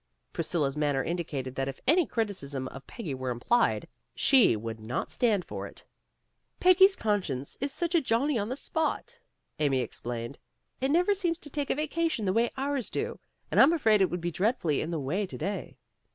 *" Pris cilla's manner indicated that if any criticism of Peggy were implied, she would not stand for it. A TRIUMPH OF ART 53 Peggy's conscience is such a Johnny on the spot," Amy explained. "It never seems to take a vacation the way ours do, and I'm afraid it would be dreadfully in the way to day."